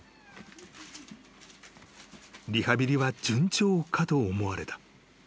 ［リハビリは順調かと思われた］